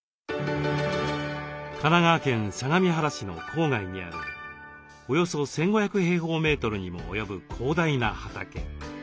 神奈川県相模原市の郊外にあるおよそ１，５００平方メートルにも及ぶ広大な畑。